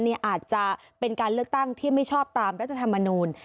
อาจจะเป็นการเลือกตั้งที่ไม่ชอบตามรัฐธรรมนูล